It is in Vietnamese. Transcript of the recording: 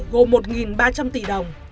gồm một ba trăm linh tỷ đồng